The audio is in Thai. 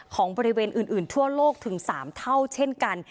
ของบริเวณอื่นทั่วโลกถึง๓เท่าเช่นกัน